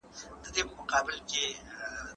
د روباټیک نجونو ډلي په نړۍ کي نوم ګټلی و.